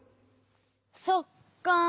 そっか。